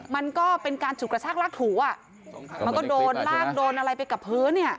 มันก็เป็นการฉุดกระชากลากถูอ่ะมันก็โดนลากโดนอะไรไปกับพื้นเนี่ย